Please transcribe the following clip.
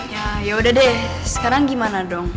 ya yaudah deh sekarang gimana dong